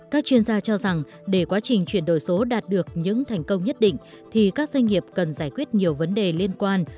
các chuyên gia cho rằng để quá trình chuyển đổi số đạt được những thành công nhất định thì các doanh nghiệp cần giải quyết nhiều vấn đề liên quan